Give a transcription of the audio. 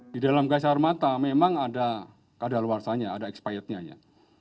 di dalam gas air mata memang ada kadar luarsanya ada expired nya